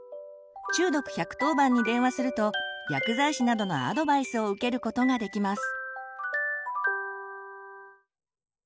中毒１１０番に電話すると薬剤師などのアドバイスを受けることができます。